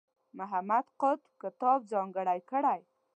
محمد قطب کتاب ځانګړی کړی.